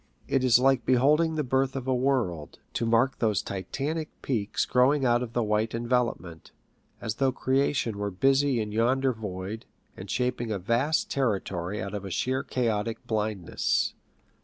It is like beholding the Jbirth of a world, to 72 PICTURES AT SEA mark those Titanic peaks growing out of the white envelopment, as though creation were busy in yonder void, and shaping a vast territory out of sheer chaotic blindness.